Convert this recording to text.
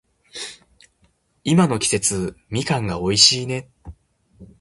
今の季節、みかん美味しいね。